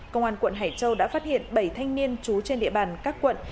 công an quận hải châu đã phát hiện bảy thanh niên trú trên địa bàn các quận